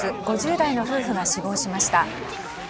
５０代の夫婦が死亡しました。